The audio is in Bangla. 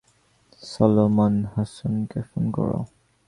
সলোমন, হ্যানসনকে ফোন করো।